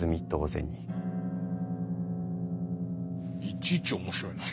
いちいち面白いな。